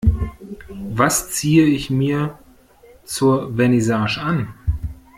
Was ziehe ich mir zur Vernissage an?